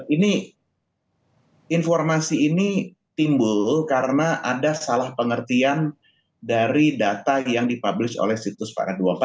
ini informasi ini timbul karena ada salah pengertian dari data yang dipublish oleh situs paket dua puluh empat